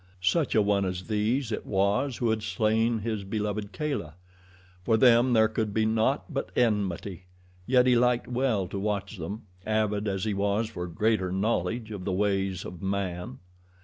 Such a one as these it was who had slain his beloved Kala. For them there could be naught but enmity, yet he liked well to watch them, avid as he was for greater knowledge of the ways of man.